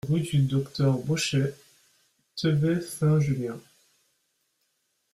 Rue du Docteur Bauchet, Thevet-Saint-Julien